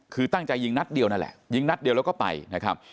คือตั้งใจยิงนัดเดียวนั่นแหละยิงนัดเดียวแล้วก็ไปนะครับ